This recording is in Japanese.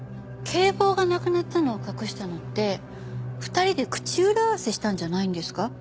警棒がなくなったのを隠したのって２人で口裏合わせしたんじゃないんですか？